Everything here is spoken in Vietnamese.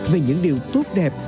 về những điều tốt đẹp